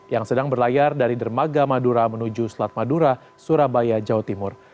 yang sedang berlayar dari dermaga madura menuju selat madura surabaya jawa timur